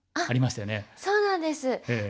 あっそうなんです。